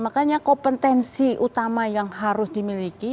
makanya kompetensi utama yang harus dimiliki